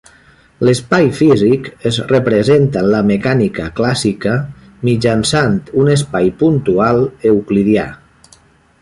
L'espai físic es representa en la Mecànica Clàssica mitjançant un espai puntual euclidià.